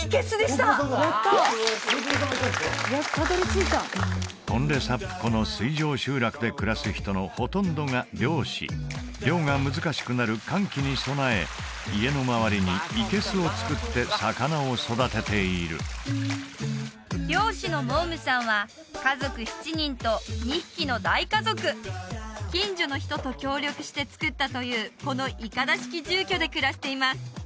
たどり着いたトンレサップ湖の水上集落で暮らす人のほとんどが漁師漁が難しくなる乾季に備え家の周りにいけすをつくって魚を育てている漁師のモームさんは家族７人と２匹の大家族近所の人と協力してつくったというこのいかだ式住居で暮らしています